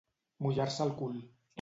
Mullar-se el cul.